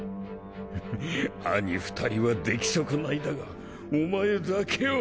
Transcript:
兄２人は出来損ないだがお前だけは。